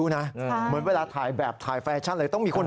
นะเหมือนเวลาถ่ายแบบถ่ายแบบก็ต้องมีคน